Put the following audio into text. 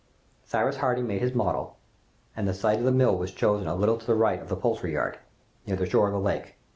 Cyrus Harding made his model, and the site of the mill was chosen a little to the right of the poultry yard, near the shore of the lake.